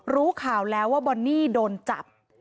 รู้ข่าวแล้วว่าบอนนี่โดนจับ